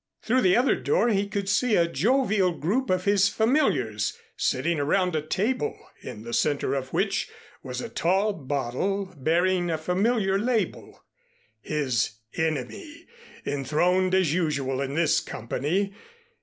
Through the other door he could see a jovial group of his familiars sitting around a table in the center of which was a tall bottle bearing a familiar label, his Enemy enthroned as usual in this company.